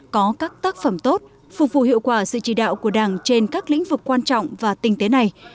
có các tác phẩm tốt phục vụ hiệu quả sự chỉ đạo của đảng trên các lĩnh vực quan trọng và tinh tế này